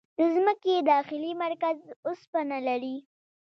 د ځمکې داخلي مرکز اوسپنه لري.